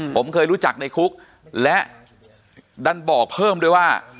ผมเคยรู้จักในคุกและดันบอกเพิ่มด้วยว่า